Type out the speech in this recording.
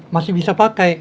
masih bisa pakai